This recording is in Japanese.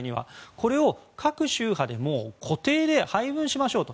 これを各宗派で固定で配分しましょうと。